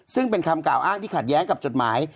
ซึ่งเป็นคำกล่าวอ้างที่ขัดแย้งกับจดหมาย